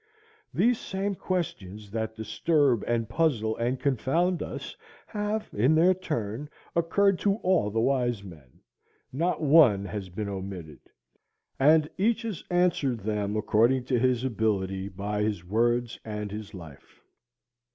These same questions that disturb and puzzle and confound us have in their turn occurred to all the wise men; not one has been omitted; and each has answered them, according to his ability, by his words and his life.